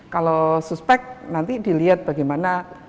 kalau suspek nanti dilihat bagaimana